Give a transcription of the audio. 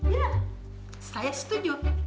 ya saya setuju